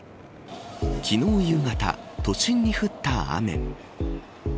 昨日夕方、都心に降った雨。